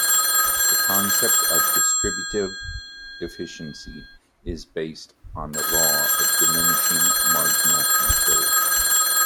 The concept of distributive efficiency is based on the law of diminishing marginal utility.